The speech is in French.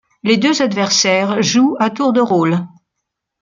Les deux adversaires jouent à tour de rôle.